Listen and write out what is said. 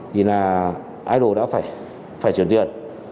thì là idol đã phải chuyển tiền